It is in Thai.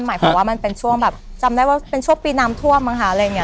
หมายของว่ามันเป็นช่วงปีน้ำถั่วมางหาอะไรนี้